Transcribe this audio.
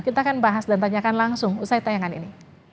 kita akan bahas dan tanyakan langsung usai tayangan ini